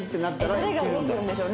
誰が動くんでしょう？